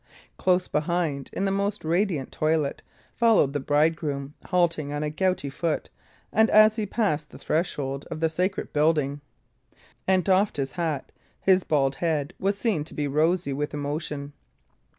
Close behind, in the most radiant toilet, followed the bridegroom, halting on a gouty foot; and as he passed the threshold of the sacred building and doffed his hat, his bald head was seen to be rosy with emotion.